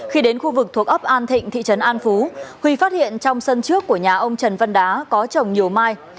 khi đến khu vực thuộc ấp an thịnh thị trấn an phú huy phát hiện trong sân trước của nhà ông trần văn đá có chồng nhiều mai